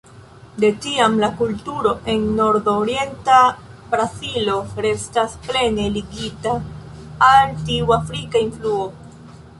De tiam la kulturo en Nordorienta Brazilo restas plene ligita al tiu afrika influo.